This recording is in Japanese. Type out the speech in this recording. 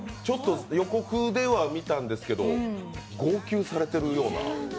予告では見たんですけど、号泣されているような。